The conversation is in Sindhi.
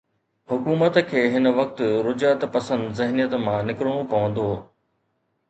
حڪومت کي هن وقت رجعت پسند ذهنيت مان نڪرڻو پوندو.